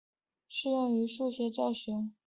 它亦适合用作数学教学。